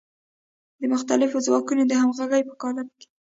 د مختلفو ځواکونو د همغږۍ په قالب کې.